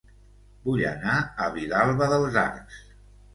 Vull anar a Vilalba dels Arcs